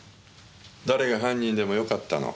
誰が犯人でもよかったの。